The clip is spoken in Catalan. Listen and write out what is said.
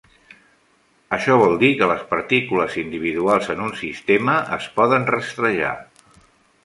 Això vol dir que les partícules individuals en un sistema es poden rastrejar.